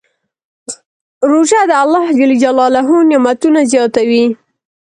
روژه د الله نعمتونه زیاتوي.